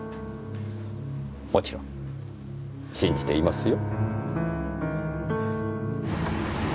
もちろん信じていますよ。